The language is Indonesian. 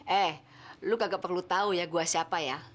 eh lo gak perlu tau ya gua siapa ya